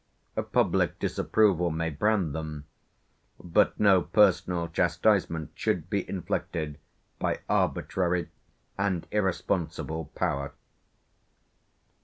Public disapproval may brand them, but no personal chastisement should be inflicted by arbitrary and irresponsible power.